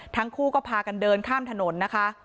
ทั้งคู่ก็พากันเดินข้ามถนนนะคะ